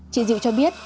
chị diệu cho biết